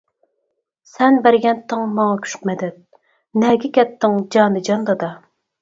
سەن بەرگەنتىڭ ماڭا كۈچ مەدەت، نەگە كەتتىڭ جانىجان دادا.